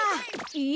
え？